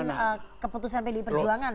dengan keputusan pdi perjuangan